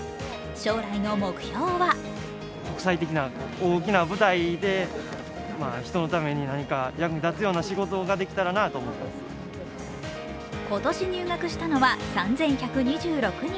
将来の目標は今年入学したのは３１２６人。